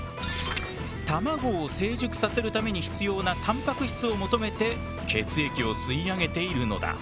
卵を成熟させるために必要なたんぱく質を求めて血液を吸い上げているのだ。